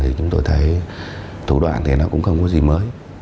thì chúng tôi thấy thủ đoạn thế nào cũng không có gì mới